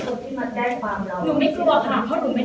คุณพี่มันแก้ความร้อง